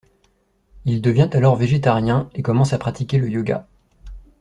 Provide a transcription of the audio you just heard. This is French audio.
Il devient alors végétarien et commence à pratiquer le yoga.